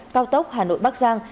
cao tốc hà nội bắc giang